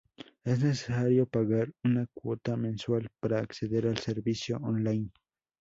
Es necesario pagar una cuota mensual para acceder al servicio on-line.